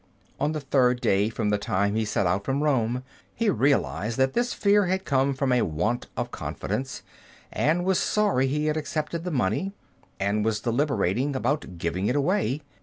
On the third day from the time he set out from Rome, he realized that this fear had come from a want of confidence, and was sorry he had accepted the money, and was deliberating about giving it away.